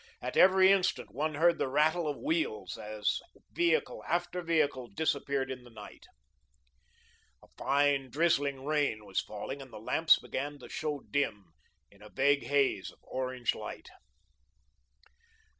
At every instant one heard the rattle of wheels as vehicle after vehicle disappeared in the night. A fine, drizzling rain was falling, and the lamps began to show dim in a vague haze of orange light.